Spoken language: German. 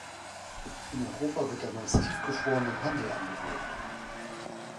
In Europa wird er meist tiefgefroren im Handel angeboten.